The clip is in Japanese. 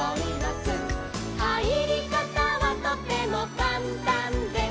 「はいりかたはとてもかんたんです」